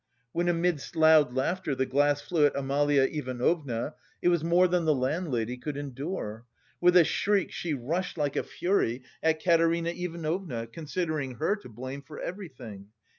When amidst loud laughter the glass flew at Amalia Ivanovna, it was more than the landlady could endure. With a shriek she rushed like a fury at Katerina Ivanovna, considering her to blame for everything.